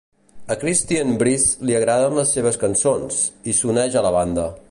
A Christine Brice li agraden les seves cançons, i s'uneix a la banda.